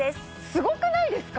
すごくないですか？